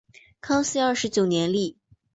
康熙二十九年立。